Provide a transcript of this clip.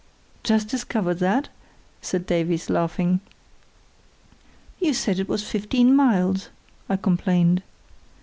"Just discovered that?" said Davies, laughing. "You said it was fifteen miles," I complained.